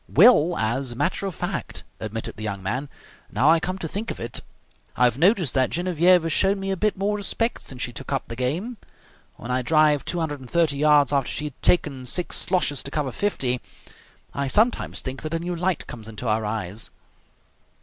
"Well, as a matter of fact," admitted the young man, "now I come to think of it I have noticed that Genevieve has shown me a bit more respect since she took up the game. When I drive 230 yards after she had taken six sloshes to cover fifty, I sometimes think that a new light comes into her eyes."